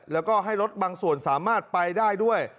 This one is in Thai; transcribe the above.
แล้วก็ให้รถบางส่วนสามารถไปได้ด้วย